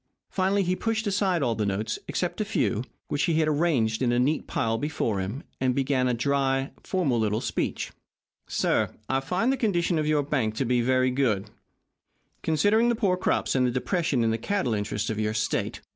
Finally he pushed aside all the notes except a few, which he arranged in a neat pile before him, and began a dry, formal little speech. "I find, sir, the condition of your bank to be very good, considering the poor crops and the depression in the cattle interests of your state.